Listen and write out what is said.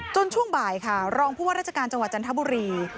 ช่วงบ่ายค่ะรองผู้ว่าราชการจังหวัดจันทบุรี